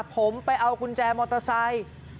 ผมไปเอากุญแจมอเตอร์ไซค์